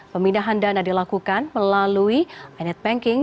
pemindahan dana dilakukan melalui inet banking